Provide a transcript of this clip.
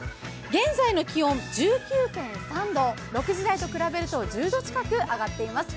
現在の気温１９．３度、６時台と比べると１０度近く上がっています。